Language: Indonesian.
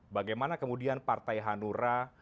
bagaimana kemudian partai hanura